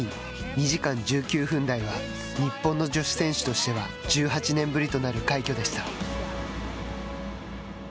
２時間１９分台は日本の女子選手としては１８年ぶりとなる快挙でした。